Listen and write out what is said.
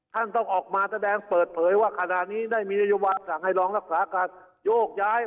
ต้องออกมาแสดงเปิดเผยว่าขณะนี้ได้มีนโยบายสั่งให้รองรักษาการโยกย้าย